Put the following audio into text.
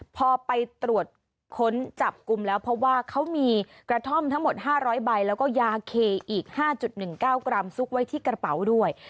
พอไปตรวจค้นจับกลุ่มแล้วเพราะว่าเขามีกระท่อมทั้งหมด๕๐๐ใบแล้วก็ยาเคอีก๕๑๙กรัมซุกไว้ที่กระเป๋าด้วย